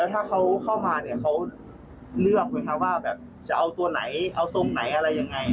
ถ้าเขาเข้ามาเนี่ยเขาเลือกไหมคะว่าแบบจะเอาตัวไหนเอาทรงไหนอะไรยังไง